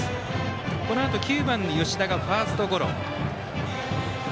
このあと９番の吉田がファーストゴロ。